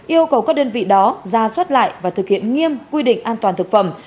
yêu cầu các đơn vị đó ra soát lại và thực hiện nghiêm quy định an toàn thực phẩm